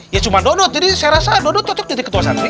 ya cuma dodot jadi saya rasa dodot cocok jadi ketua santri